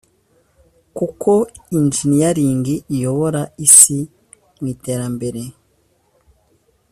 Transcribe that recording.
kuko ‘engineering’ iyobora isi mu iterambere